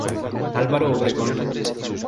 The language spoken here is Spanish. Álvaro Obregón.